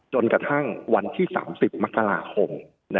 จนกระทั่งวันที่๓๐มกราคม